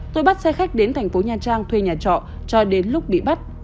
tôi bắt xe khách đến thành phố nha trang thuê nhà trọ cho đến lúc bị bắt